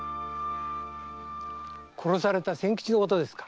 殺された仙吉のことですか？